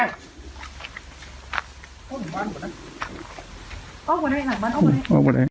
เอาไหม